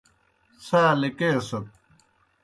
څھا لِکیکسَت